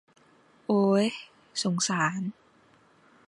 โอ้ย สงสาร